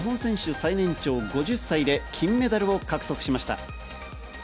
最年長５０歳で金メダルを獲得しました。